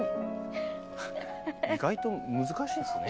フッ意外と難しいですね。